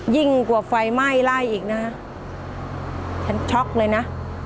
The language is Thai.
ยิ่งกว่าไฟไหม้ไล่อีกนะฉันช็อกเลยนะ